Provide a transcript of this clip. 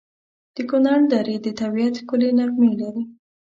د کنړ درې د طبیعت ښکلي نغمې لري.